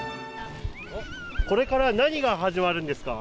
これから何が始まるんですか。